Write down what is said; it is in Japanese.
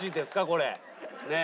これねえ。